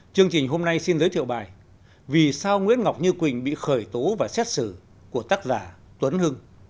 chương trình hôm nay xin giới thiệu bài vì sao nguyễn ngọc như quỳnh bị khởi tố và xét xử của tác giả tuấn hưng